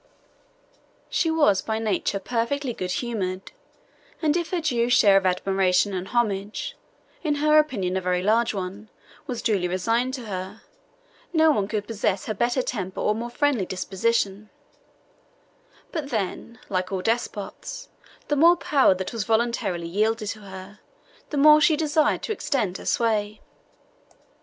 She was by nature perfectly good humoured, and if her due share of admiration and homage (in her opinion a very large one) was duly resigned to her, no one could possess better temper or a more friendly disposition; but then, like all despots, the more power that was voluntarily yielded to her, the more she desired to extend her sway.